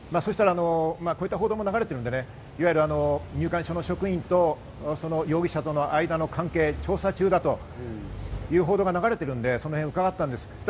そしたら、こういった報道も流れているので入管所の職員と容疑者との間の関係、調査中だという報道が流れてるので伺いました。